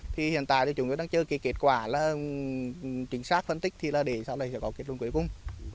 thì hiện tại thì chúng tôi đang chờ cái kết quả là chính xác phân tích thì là để sau này sẽ có kết luận cuối cùng